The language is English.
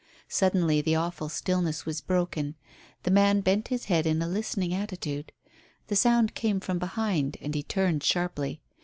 Suddenly the awful stillness was broken. The man bent his head in a listening attitude. The sound came from behind and he turned sharply.